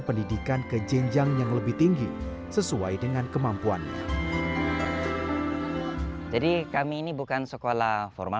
pendidikan ke jenjang yang lebih tinggi sesuai dengan kemampuannya jadi kami ini bukan sekolah formal